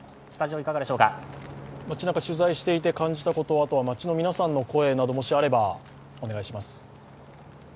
街なか取材して感じたこと、あとは街の皆さんの声などがもしあればお願いします。